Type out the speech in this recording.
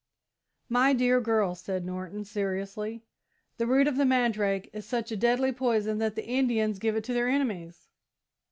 "My dear girl," said Norton, seriously, "the root of the mandrake is such a deadly poison that the Indians give it to their enemies."